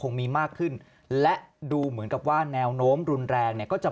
มีมากขึ้นและดูเหมือนกับว่าแนวโน้มรุนแรงเนี่ยก็จะ